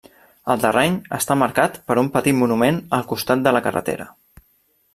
El terreny està marcat per un petit monument al costat de la carretera.